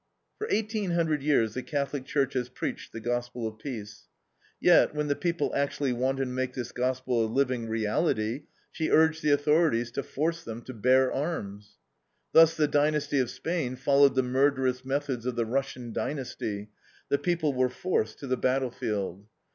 For eighteen hundred years the Catholic Church has preached the gospel of peace. Yet, when the people actually wanted to make this gospel a living reality, she urged the authorities to force them to bear arms. Thus the dynasty of Spain followed the murderous methods of the Russian dynasty, the people were forced to the battlefield.